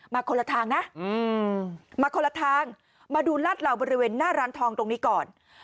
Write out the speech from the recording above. คนละทางนะมาคนละทางมาดูลาดเหล่าบริเวณหน้าร้านทองตรงนี้ก่อน